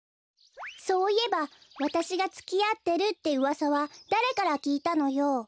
そういえばわたしがつきあってるってうわさはだれからきいたのよ？